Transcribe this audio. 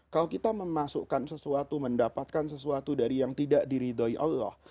kalau kita memasukkan sesuatu mendapatkan sesuatu dari yang tidak diridoi allah